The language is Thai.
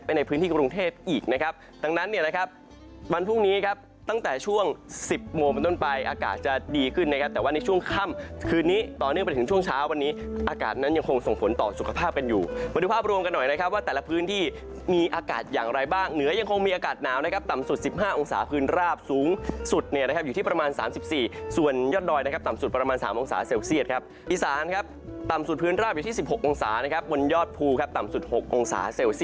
ดูภาพรวมกันหน่อยนะครับว่าแต่ละพื้นที่มีอากาศอย่างไรบ้างเหนือยังคงมีอากาศหนาวนะครับต่ำสุดสิบห้าองศาพื้นราบสูงสุดเนี่ยนะครับอยู่ที่ประมาณสามสิบสี่ส่วนยอดดอยนะครับต่ำสุดประมาณสามองศาเซลเซียดครับอีสานนะครับต่ำสุดพื้นราบอยู่ที่สิบหกองศานะครับวนยอดภูครับต่ำส